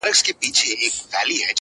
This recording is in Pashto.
هم غل هم غمخور -